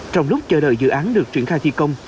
trong lúc chờ đợi dự án được triển khai thi công